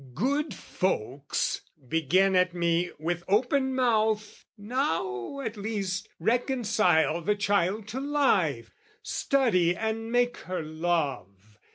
Good folks begin at me with open mouth "Now, at least, reconcile the child to life! "Study and make her love...